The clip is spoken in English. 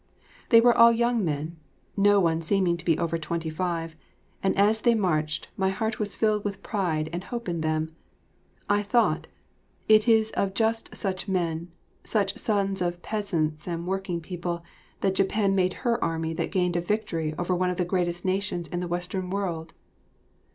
They were all young men, no one seeming to be over twenty five, and as they marched my heart was filled with pride and hope in them. I thought, it is of just such men, such sons of peasants and working people, that Japan made her army that gained a victory over one of the greatest nations in the Western world.